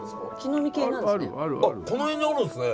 この辺にあるんですね。